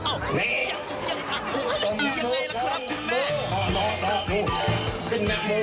อ้าวยังอุ๊ยอย่างไรล่ะครับคุณแม่